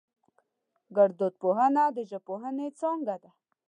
گړدود پوهنه د ژبپوهنې څانگه ده